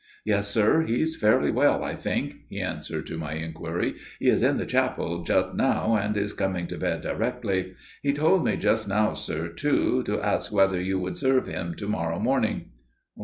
"Yes, sir; he's fairly well, I think," he answered to my inquiry. "He is in the chapel just now, and is coming to bed directly. He told me just now, sir, too, to ask whether you would serve him to morrow morning."